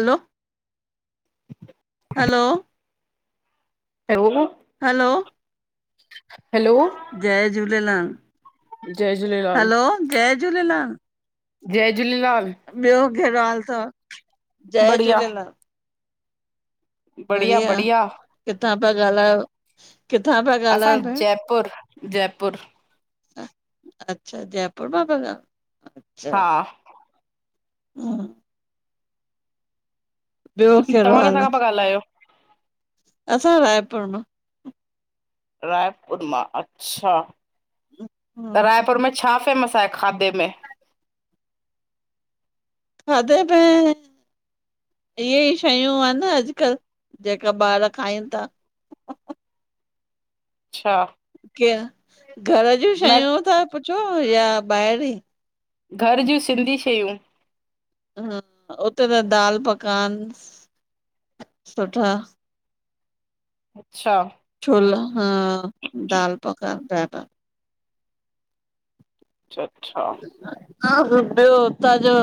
हलो- hello hello hello hello जय झूलेलाल! जय Jhulelal- hello जय झूलेलाल जय झूलेलाल। ॿियो कहिड़ो हाल थव, जय बढ़िया झूलेलाल। बढ़िया, किथां पिया ॻाल्हायो, किथां पिया ॻाल्हायो भेंण? पुर, जयपुर। अच्छा, जयपुर मां पिया ॻाल हा। हुं ॿियो, कहिड़ो हाल? हलायो असां रायपुर मां। रायपुर मां अच्छा, त रायपुर में छा फेमस आहे खादे में। खादे में इह्येई शयूं आहिन न अॼुकल्ह, जेका ॿार खाइनि ता। अच्छा। के, घर जूं न शयूं था, पुछो या ॿाहिरिं? घर ज्यूं सिंधी शयूं। हा उते त दाल पकवान सुठा। अच्छा। छोला हा दाल पकवान ॾाढा। अच्छा -अच्छा हा ॿियो, उतां जो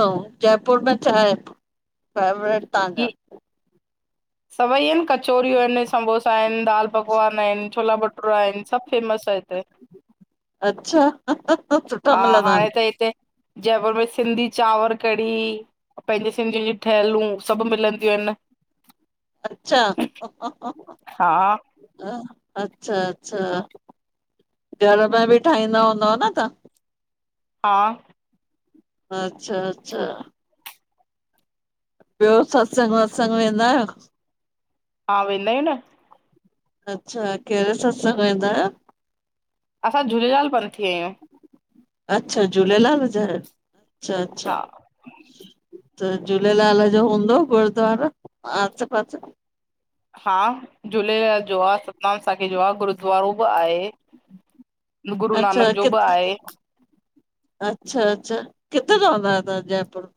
जयपुर में छाहे फेवरेट? ही तव्हांजो? सभई हिनि कचोरियूं अहिनि समोसा आहिनि। दाल पकवान आहिनि, छोला भटूरा आहिनि सभु फेमस आ हिते। अच्छा, सुठा मिलंदा इन। हे ते जयपुर में सिंधी चांवर कढ़ी, पंहिंजे सिंधियुनि जी ठहिलूं। सभु मिलंदियूं आहिनि। अच्छा हा ह-ह-ह-ह अच्छा-अच्छा। घर में ॿि ठाईदा हूंदव न तान? हा अच्छा-अच्छा ॿयो सत्संग-वत्संग वेंदा आयो। हा वेंदा आयूं न। अच्छा केड़े सत्संग वेदा आयो? असां झूलेलाल पंथी आयूं। अच्छा झूलेलाल ॼ अच्छा अच्छा। हा त झूलेलाल ॼो हूंदो गुरद्वारा आसे पासे। हा झूलेलाल ॼो आये सतनाम साखी ॼो आ गुरुद्वारो ॿ आये। अच्छा किथे आहे अच्छा-अच्छा किथे रहंदा आयो तां जयपुर।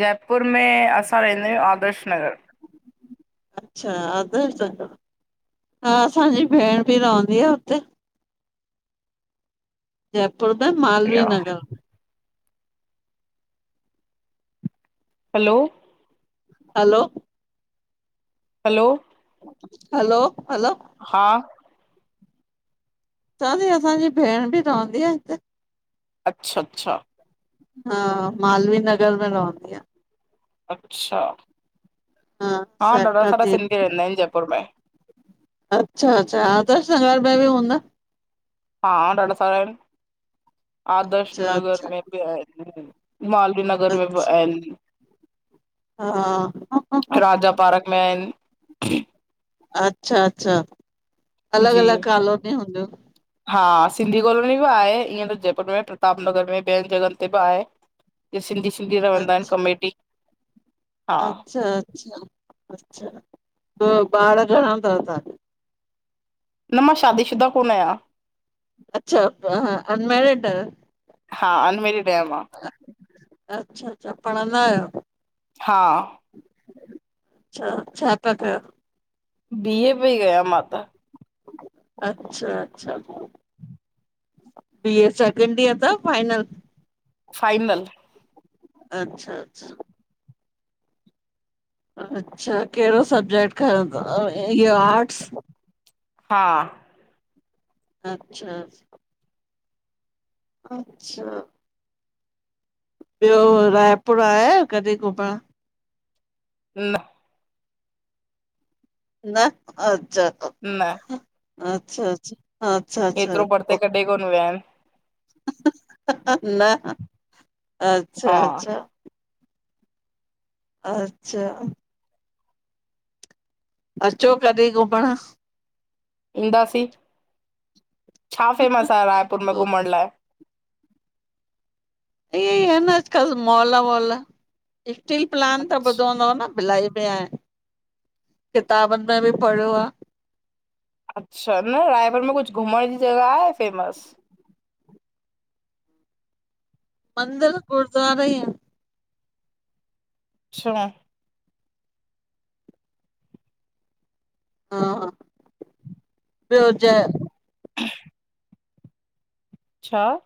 जयपुर में असां रहंदा आयूं आदर्श नगर। अच्छा आर्दश नगर हा असांजी भेण ॿि रहंदी आ हुते। जयपुर द Malviya Nagar. Hello hello! Hello! Hello hello हा चयांति असांजी भेण ॿि रहंदी आ हिते। अच्छा-अच्छा हा मालवीय नगर में रहंदी आ। अच्छा हा ॾाढा सारा सिंधी रहंदा आयन जयपुर में। अच्छा-अच्छा हा आर्दश में ॿि हूंदा। हा ॾाढा सारा आयन आदर्श अच्छा नगर अच्छा में ॿि आयन। मालवीय नगर में ॿि आयन। हा-ह-हा-हा। राजा पार्क में आयन। अच्छा-अच्छा, जी। अलॻ-अलॻ कॉलोनी हूंदयूं। हा सिंधी कॉलोनी ॿि आहे ईअं त जयपुर में प्रताप नगर में ॿियन जॻहन ते ॿि आये। ॼी सिंधी-सिंधी रहंदा आयन कमेटी। हा अच्छा-अच्छा, अच्छा ॿार घणा तव तांखे। न मां शादीशुदा कोन आयां। अच्छा अनमैरड आयो? हा अनमेरिड आहियां मां, अच्छा-अच्छा पढ़ंदा आयो। हा अच्छा छा ता कयो? बी ए पी कया मां त। अच्छा-अच्छा बी ए सेकेंड ईयर त फाइनल। फाइनल अच्छा-अच्छा अच्छा केड़ो सब्जेक्ट खयो तव इयो आर्ट्स। हा अच्छा! अच्छा ॿियो रायपुर आया आहियो कॾहिं घुमणु? हम [inaudible] न, अच्छा। न अच्छा अच्छा हा एतिरो परते कढे कोन विया आहिन। न! हा अच्छा- अचछा अच्छा अचो कॾहिं घुमण! ईंदासीं। छा फेमस आह्रा यपुर में घुमण लाइ? इअ ई आहे न अॼकल्ह मॉल वॉल, स्टील प्लान त अच्छा ॿुधो हूंदो न। भिलाई में आ, किताबनि में बि पढ़ियो आ। अच्छा! न रायपुर में कुझु घुमण जी जॻह आहे फेमस? मंदिर गुरुद्वारा ई आहिन। अच्छा हा हा ॿियो ज ह [inaudible] छा?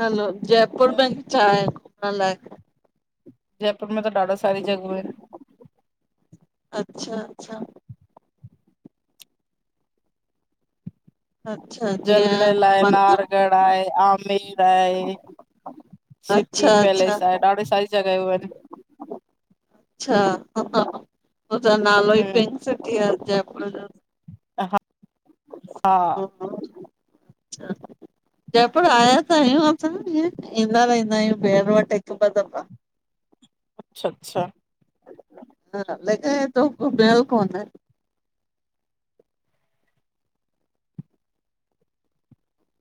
हलो जयपुर में छा आहे घुमण लाए? जयपुर में त ॾाढो सारी जॻहूं आहिन। अच्छा- अचछा! अच्छा जीअं जलमहल आहे, मत नाहरगढ़ आहे, आमेर आहे! सिटी अच्छा अच्छा पैलेस आहे, ॾाढी सारी जॻहियूं आहिनि। अच्छा! ह, उजो नालो ई पिंक सिटी आहे जयपुर जो। ह हा! हा! [inaudible] अच्छा जयपुर आया त आहियूं असा, ईंदा रहंदा आहियूं भेण वटि हिकु ॿ दफ़ा। अच्छा-अचछा! हा त बेल कोन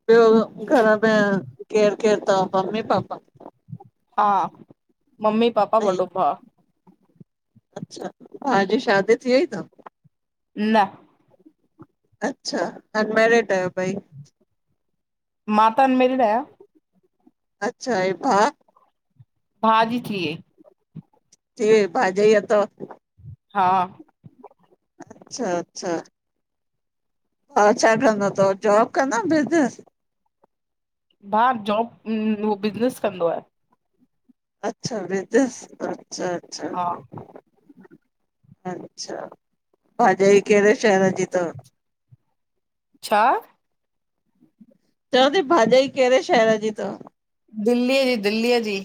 ॿियो! घर में केरु केरु अथव मम्मी पापा? हा, ममी, पापा, ऐं वॾो भाउ। अच्छा! भाउ जी शादी थी वई थव? न! अच्छा, अनमैरिड आहियो ॿई! मा त अनमैरिड आयां‌ अच्छा अंए भाउ? भाउ ॼी थी वई। थी वई, भाॼाई अथव? हा! अच्छ-अच्छा! हा छा कंदो तव, जॉब कंदो बिज़नस? हा उ जॉब उह बिज़नेस कंदो आहे। अचछा बिज़निस, अच्छा अच्छा! हा अच्छा! भाजाई कहिड़े शहर जी अथव? छा? चओ थी भाॼाई कहिड़े शहर जी त? दिल्लीअ जी, दिल्लीअ जी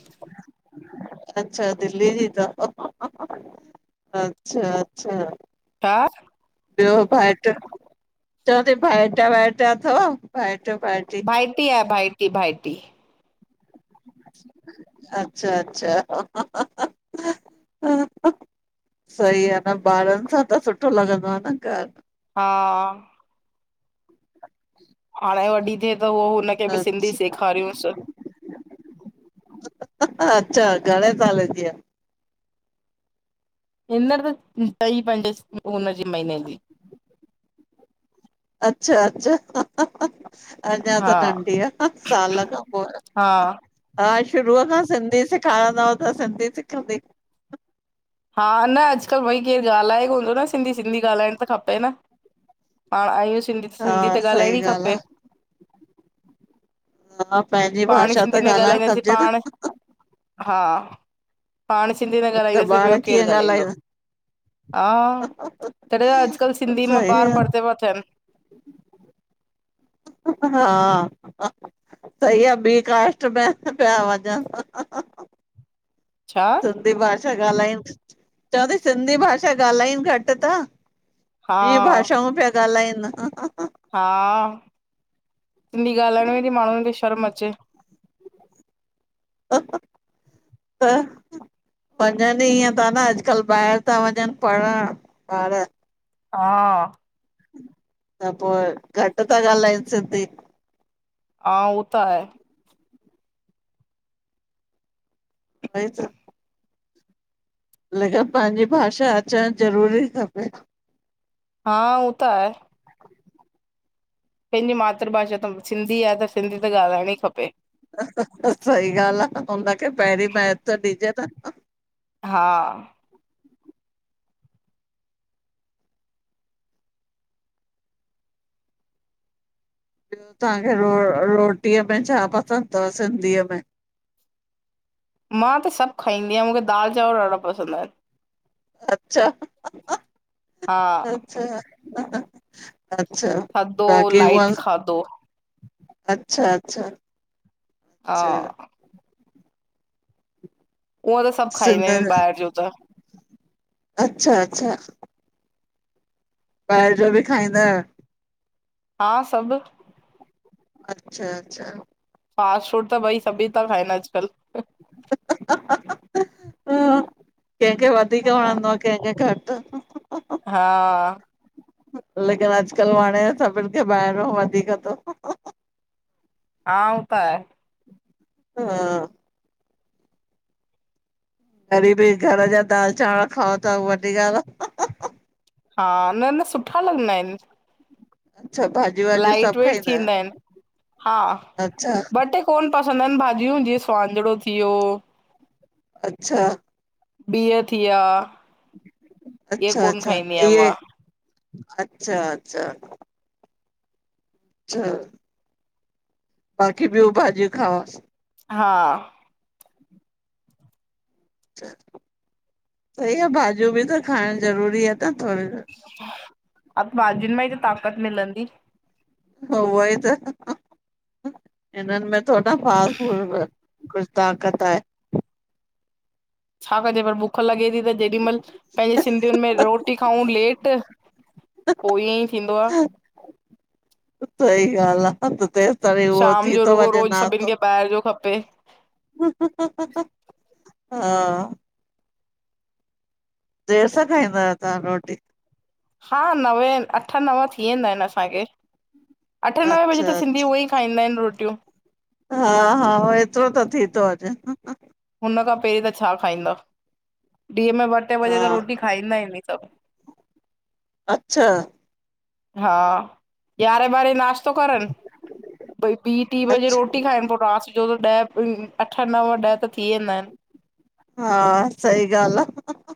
अच्छा! दिल्ली जी तव। अच्छा! अचछा! छा? ॿियो भाइट, चव थी भाइट वाइट अथव भाइट -भाइटी? भाइटी आ। भाइटी, भाइटी अच्छा! अच्छा! सही आहे न,, ॿारनि सां त सुठो लॻंदो आहे न घर हा! [inaudible] हाणे वॾी थिए त उह हुनखे बि सिंधी सेखारियूंस। अच्छा! घणे साल जी आ? इनर त टई पंज उन जी महीने जी। अच्छा! अच्छा! अञा हा त नंढी आहे, साल खां हा पोइ हा शुरूअ खां सिंधी सेखारींदव त सिंधी सिखंदी। हा न,, अॼुकल्ह भई केरु ॻाल्हाए कोन थो न सिंधी सिंधी ॻाल्हाइणु त खपे न। पाण आहियूं सिंधी, हा सिंधी त सही ॻाल्हाइणी ई ॻाल्हि खपे। हा! पंहिंजी पाण ई भाषा सिंधी त न ॻाल्हाइणु ॻाल्हाईंदासीं खपिजे न। पाण हा! पाण सिंधी न त ॻाल्हाईंदासीं ॿार ॿियो केरु कीअं ॻाल्हाईंदो। ॻाल्हाईंदा हा! तॾहिं त अॼकल्ह सिंधी मां सही ॿार आ परढ़ते प थियन। हा! सईी आ बी काष्ट प पिया वणन। छा? सिंधी भाषा ॻाल्हाइनि,, चवां थी सिंधी भाषा ॻाल्हाइनि घटि था हा ॿ भाषाऊं पिया ॻाल्हाइन। हा सिंधी ॻाल्हाइण में बि माण्हुनि खे शर्म अचे। [inaudible] पंजनि ईअं था न अॼुकल्ह ॿाहिरि था वञनि पढ़ण ॿार। हा त पोइ घट था ॻाल्हाइनि सिंधी। हा उह त आहे। व त [inaudible] लेकिन पंहिंजी भाषा अचणु ज़रूरी खपे। हा उह त आहे। पंहिंजी मातृभाषा त सिंधी आहे त सिंधी त ॻाल्हाइण ई खपे। सही ॻाल्हि आहे हुनखे पहिरीं महेतव डॾिजे न। हा ॿियो तव्हांखे रो रोटीअ में छा पसंदि अथव सिंधीअ में? मां त सभु खाईंदी आहियां मूंखे दाल चांवर ॾाढा पसंदि आहिन। अच्छा। हा, अचछा, अचछा थधो बाक़ी उआ लाइट खाधो अचछा अचछा हा, उहो त सभु खाईंदा सुंदर, आहियूं ॿाहिरि जो त अच्छा अच्छा ॿाहिर जो बि खाईंदा। हा सभु। अच्छा- अच्छा, फास्ट फूड त भई सभी था खाइनि अॼुकल्ह। ह कंहिंखे वधीक वणंदो आहे कंहिंखे घटि। हा लेकिन अॼकल्ह वणे सभिनि खे ॿाहिरो वधीक थो। हा उ त आहे हा वरी बि घर जा दाल चांवर खाओ था वॾी ॻाल्हि आहे। हा न न सुठा लॻंदा आहिनि। अच्छा [unintelligible] लाइट सभु वेट खाईंदा आहियो? थींदा आहिनि हा अच्छा ॿ ट। कोन पसंदि आहिनि भाॼियूं जीअं सुवाझड़ो थी वियो। अच्छा, बिह थी विया। इहे अच्छा कोन -अच्छा खाईंदी आहियां इए मां अच्छा -अच्छा। छ बाक़ी ॿियूं भाॼियूं खावस। हा, सही आहे भाॼियूं बि त खाइण ज़रूरी आहे त थोरी त। अभ भाजि़न में ई त ताकत मिलंदी। ह होई त हिननि में थोड्न फालतु कुझु ताकत आहे। शाम जो पर भूख लॻे थी त जेॾीमहिल पंहिंजे सिंधिययुनि में रोटी खाऊं लेट पोइ ईअं ई थींदो आहे। सही ॻाल्हि आहे त तेसि ताईं उहो शाम थी जो थो रुगो वञे रोज़ सभिनि नाशतो। खे ॿाहिरि जो खपे। हू हा देर सा खाईदा आयो तव्हा रोटी? हा नवे अठ नव थी वेदा आहिन असाखे। अठ नवे बजे अच्छा त सिंधी उह ई खाईदां आहिन रोटियू। हा हा एतरो त थी थो वञे। हुन खा पहरी त छा खाईंदा ॾीह मे ॿ टे हा बजे त रोटी खाईदा ई आहिनि सभु। अच्छा, हा यारहे ॿारहे नाश्तो करन भई ॿी टी बजे अच्छा रोटी रोटी खाइन पोइ रात जो त ॾह अठ नव ॾह त थी वेदा आहिन। हा सही ॻाल्ह आ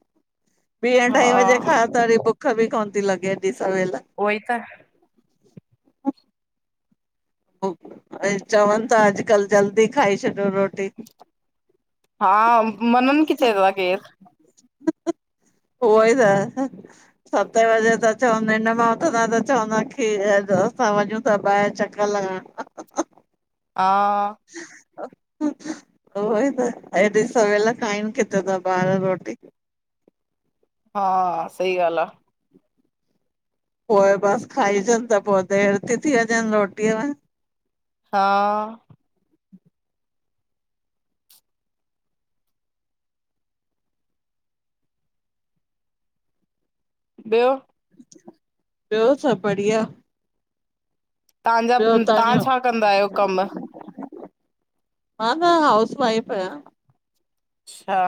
ॿी अढाई हा वजे खा त वरी कभी कोन थी लॻे ऐॾी सवेल उहो ई त चवनि था अॼुकल्ह जल्दी खाई छॾयो रोटी। हा मननि किथे था केर? उहो ई त सते बजे त चव निंड मां उथदा त चवंदा खी यो असा वञूं था ॿाहिर चक्कर लगायण। हा। उहो ई त एॾी सवेल खाइन किथे ता ॿार रोटी। हा सही ॻाल्हि आ। पोए बस खाइजन त पो देर थी थी वञेनि रोटीअ में। हा। ॿियो? ॿियो सभु बढ़िया। तांजा, ॿियो तव्हां तव्हांजो छा कंदा आयो कमु? मां त हाउस वाइफ आहियां। अच्छा।